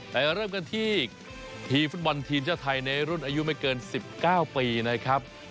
เริ่มกันที่ทีมฟุตบอลทีมชาติไทยในรุ่นอายุไม่เกิน๑๙ปีนะครับ